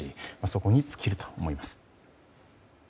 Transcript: そこに尽きると思います。